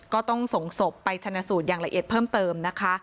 ก็ต้องส่งศพไปชนะสูตรอย่างละเอียดเพิ่มเติมนะคะ